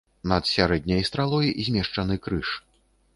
Над сярэдняй стралой змешчаны крыж.